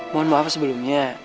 mohon maaf sebelumnya